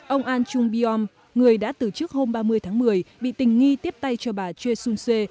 ông ahn jung byong người đã từ trước hôm ba mươi tháng một mươi bị tình nghi tiếp tay cho bà chun soon sue